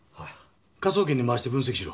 科捜研に回して分析しろ。